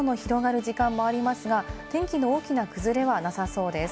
関東はきのうと比べると雲の広がる時間もありますが、天気の大きな崩れはなさそうです。